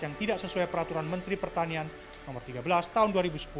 yang tidak sesuai peraturan menteri pertanian no tiga belas tahun dua ribu sepuluh